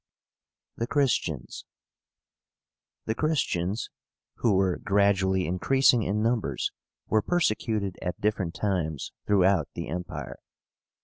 THE CHRISTIANS. The CHRISTIANS, who were gradually increasing in numbers, were persecuted at different times throughout the Empire.